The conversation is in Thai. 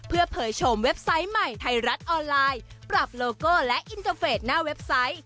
เพื่อเผยชมเว็บไซต์ใหม่ไทยรัฐออนไลน์ปรับโลโก้และอินเตอร์เฟสหน้าเว็บไซต์